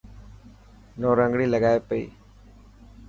نورنگڻي لگائي پئي.